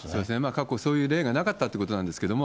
過去そういう例がなかったということなんですけれども、